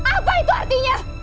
apa itu artinya